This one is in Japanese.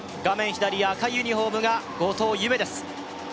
左赤いユニホームが後藤夢です